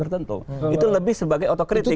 tertentu itu lebih sebagai otokritik